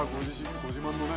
ご自慢のね